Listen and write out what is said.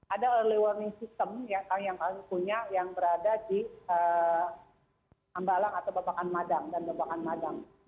ada system yang berada di ambalang atau bapakkan madang